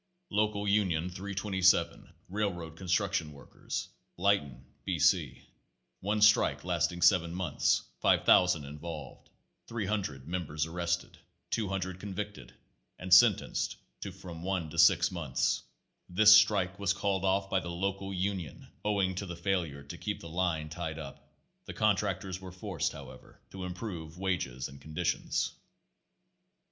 Local Union 327, Railroad Construction Workers, Lytton, B. C. One strike lasting seven months ; 5,000 in volved; 300 members arrested; 200 convicted and sen tenced to from one to six months. This strike was called off by the local union owing to the failure to keep the line tied up. The contractors were forced, however, to improve wages and conditions.